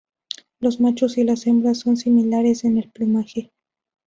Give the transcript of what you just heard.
Los machos y las hembras son similares en el plumaje.